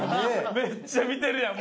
めっちゃ見てるやん。